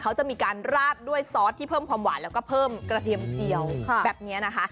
เขาจะมีการราดด้วยซอสที่เพิ่มความหวานแล้วก็เพิ่มกระเทียมเจียวแบบนี้นะคะ